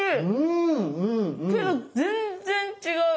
けど全然違う！